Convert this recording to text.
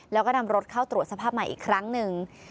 แล้วก็นำรถเข้าตรวจสภาพใหม่อีกครั้งหนึ่ง